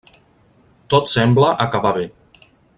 Tot sembla acabar bé.